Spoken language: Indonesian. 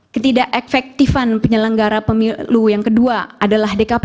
ketidak efektifan penyelenggara pemilu yang kedua adalah dkp